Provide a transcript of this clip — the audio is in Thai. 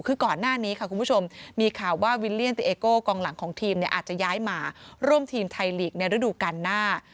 คือก่อนหน้านี้ค่ะคุณผู้ชมมีข่าวว่าวิลเลียนติเอโก้กองหลังของทีมเนี่ยอาจจะย้ายมาร่วมทีมไทยลีกในฤดูการหน้า